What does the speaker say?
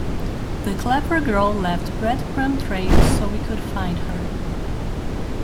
The clever girl left breadcrumb trails so we could find her.